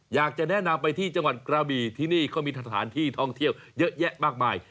อยากจะแนะนำไปที่จังหวัดกระบี่ที่นี่เขามีสถานที่ท่องเที่ยวเยอะแยะมากมาย